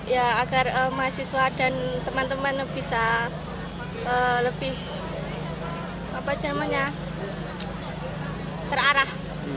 ya agar mahasiswa dan teman teman bisa lebih terarah